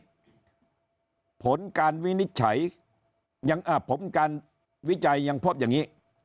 อีกผลการวินิชัยงานอบผลการวิจัยยังพบอย่างนี้